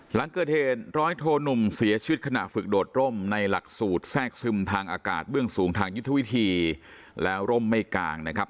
หลังเกิดเหตุร้อยโทหนุ่มเสียชีวิตขณะฝึกโดดร่มในหลักสูตรแทรกซึมทางอากาศเบื้องสูงทางยุทธวิธีแล้วร่มไม่กลางนะครับ